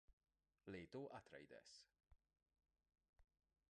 Leto Atreides.